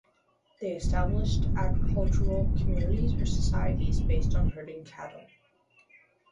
They established agricultural communities or societies based on herding cattle.